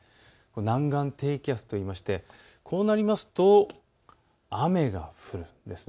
南岸低気圧といいましてこうなりますと雨が降るんです。